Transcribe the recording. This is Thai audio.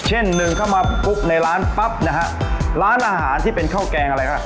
หนึ่งเข้ามาปุ๊บในร้านปั๊บนะฮะร้านอาหารที่เป็นข้าวแกงอะไรก็